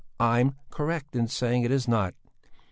I'm correct in saying it is not.